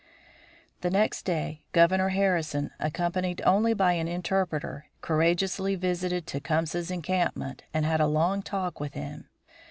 The next day Governor Harrison, accompanied only by an interpreter, courageously visited Tecumseh's encampment and had a long talk with him.